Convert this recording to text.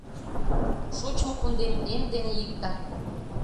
Шочмо кундем — эм дене иктак.